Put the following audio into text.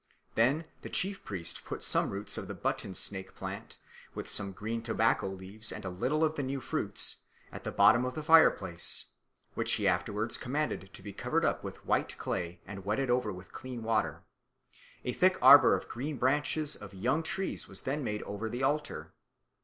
Then the chief priest put some roots of the button snake plant, with some green tobacco leaves and a little of the new fruits, at the bottom of the fireplace, which he afterwards commanded to be covered up with white clay, and wetted over with clean water. A thick arbour of green branches of young trees was then made over the altar.